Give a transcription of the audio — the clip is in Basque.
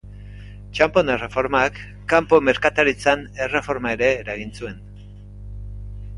Txanpon erreformak, kanpo merkataritzan erreforma ere eragin zuen.